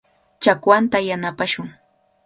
Chakwanta yanapashun.